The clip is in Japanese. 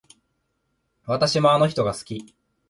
私もあの人が好き